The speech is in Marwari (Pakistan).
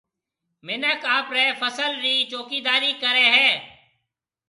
منک آپرَي فصل رِي چوڪيِدارِي ڪرَي ھيََََ